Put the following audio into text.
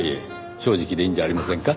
正直でいいんじゃありませんか？